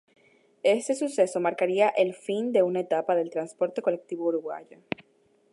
Este suceso marcaría el fin de una etapa del transporte colectivo Uruguayo.